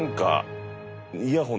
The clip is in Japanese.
イヤホン？